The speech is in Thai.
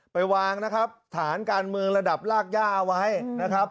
ไปวางนะครับฐานการเมืองระดับรากย่าเอาไว้นะครับ